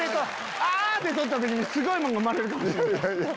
で撮った時にすごいもんが生まれるかもしれん。